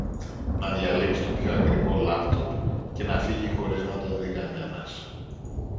να διαλέξει το πιο ακριβό λάπτοπ και να φύγει χωρίς να τον δει κανένας